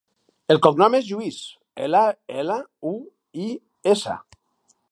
El cognom és Lluis: ela, ela, u, i, essa.